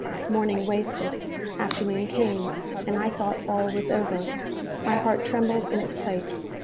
Morning wasted. Afternoon came, and I thought all was over. My heart trembled in its place.